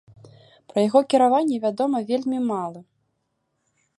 Пра яго кіраванне вядома вельмі мала.